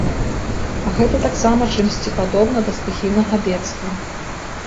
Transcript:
А гэта таксама чымсьці падобна да стыхійнага бедства.